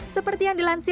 belum tahu belum tahu